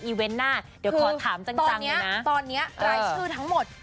อีเวนหน้าเดี๋ยวขอถามจังหน่อยนะตอนนี้ตัวเอยชื่อทั้งหมด